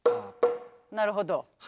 なるほど。